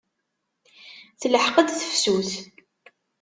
Telḥeq-d tefsut.